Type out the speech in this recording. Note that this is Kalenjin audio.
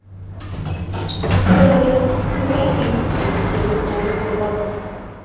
Kitinyo kole kimi kiy nekityeme kouny cheboto